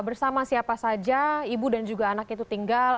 bersama siapa saja ibu dan juga anak itu tinggal